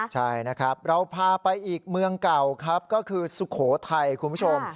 ใช่นะครับเราพาไปอีกเมืองเก่าครับก็คือสุโขทัยคุณผู้ชม